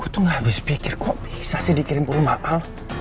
habis pikir kok bisa sih dikirim puluh mahal